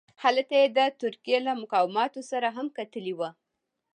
هلته یې د ترکیې له مقاماتو سره هم کتلي وه.